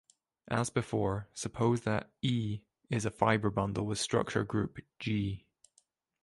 As before, suppose that "E" is a fibre bundle with structure group "G".